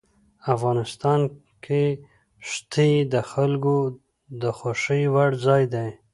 افغانستان کې ښتې د خلکو د خوښې وړ ځای دی.